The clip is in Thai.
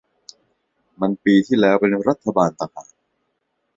มันปีที่แล้ว เป็นรัฐบาลแล้วตะหาก